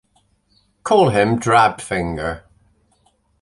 Call him Drabfinger.